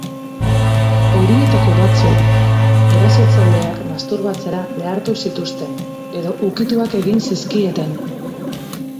Horietako batzuk erasotzaileak masturbatzera behartu zituzten, edo ukituak egin zizkieten.